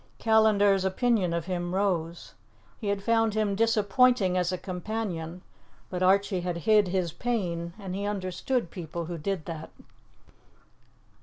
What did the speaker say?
Callandar's opinion of him rose. He had found him disappointing as a companion, but Archie had hid his pain, and he understood people who did that.